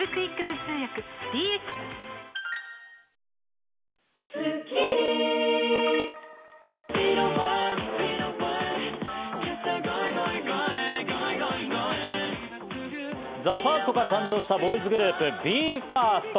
次に『スッキリ』に生出演しＴＨＥＦＩＲＳＴから誕生したボーイズグループＢＥ：ＦＩＲＳＴ。